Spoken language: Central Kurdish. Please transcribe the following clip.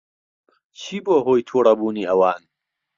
چی بووە ھۆی تووڕەبوونی ئەوان؟